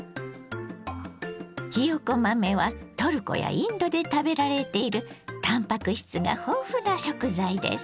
ひよこ豆はトルコやインドで食べられているたんぱく質が豊富な食材です。